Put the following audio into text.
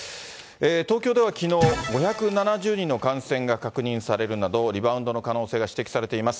東京ではきのう、５７０人の感染が確認されるなど、リバウンドの可能性が指摘されています。